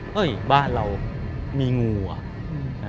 เฮ้ยบ้านเรามีงูอ่ะ